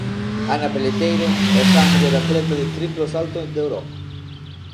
Ana Peleteiro é xa a mellor atleta de triplo salto de Europa.